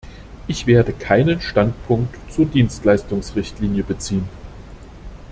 Ich werde keinen Standpunkt zur Dienstleistungsrichtlinie beziehen.